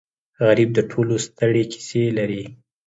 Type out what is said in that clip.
غریب د ټولو ستړې کیسې لري